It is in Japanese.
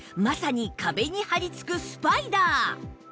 まさに壁に張りつくスパイダー！